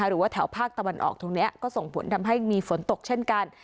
หรือว่าแถวภาคตะวันออกตรงนี้ก็ส่งผลทำให้มีฝนตกเช่นกัน